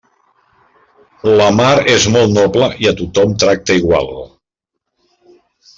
La mar és molt noble i a tothom tracta igual.